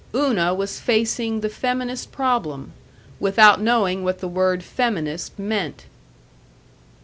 Una was facing the feminist problem, without knowing what the word "feminist" meant.